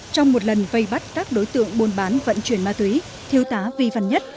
trong một lần vây bắt các đối tượng buôn bán vận chuyển ma túy thiêu tá vi văn nhất